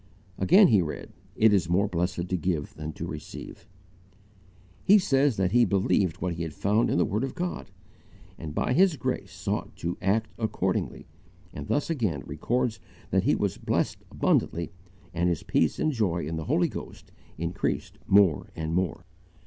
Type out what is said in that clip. Again he read: "It is more blessed to give than to receive." He says that he BELIEVED what he found in the word of God, and by His grace sought to ACT ACCORDINGLY, and thus again records that he was blessed abundantly and his peace and joy in the Holy Ghost increased more and more.